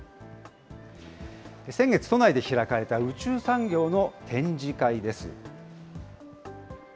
先月、都内で開かれた宇宙産業の展示会です。